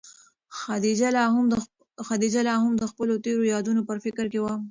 خدیجه لا هم د خپلو تېرو یادونو په فکر کې وه.